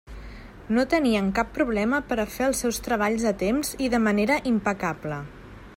No tenien cap problema per a fer els seus treballs a temps i de manera impecable.